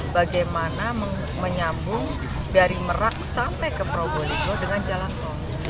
bagaimana menyambung dari merak sampai ke prabowo libur dengan jalan tong